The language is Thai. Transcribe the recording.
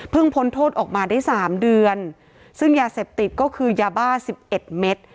พ้นโทษออกมาได้สามเดือนซึ่งยาเสพติดก็คือยาบ้าสิบเอ็ดเม็ด